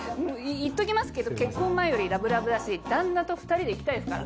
言っときますけど結婚前よりラブラブだし旦那と２人で行きたいですから。